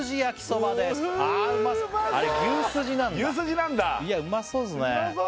そういやうまそうですね